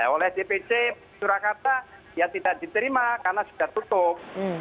oleh dpc surakarta ya tidak diterima karena sudah tutup